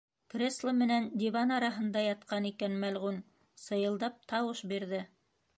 Кресло менән диван араһында ятҡан икән мәлғүн, сыйылдап тауыш бирҙе.